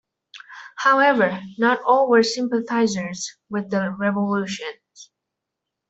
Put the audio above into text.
However, not all were sympathizers with the Revolution.